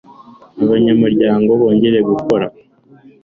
abanyamuryango bongera gutora